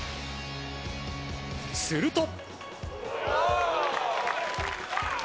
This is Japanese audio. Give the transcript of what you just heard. すると。